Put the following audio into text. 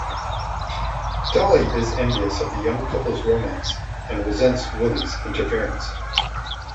Dolly is envious of the young couple's romance and resents Willy's interference.